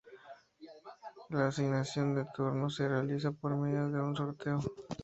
La asignación de turnos se realiza por medio de un sorteo.